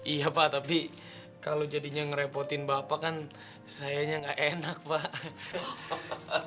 iya pak tapi kalau jadinya ngerepotin bapak kan sayanya nggak enak pak